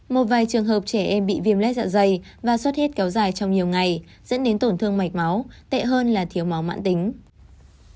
một vài trường hợp trẻ em bị viêm lét dạ dày và suất huyết kéo dài trong nhiều ngày dẫn đến tổn thương mạch máu tệ hơn là thiếu máu mãn tính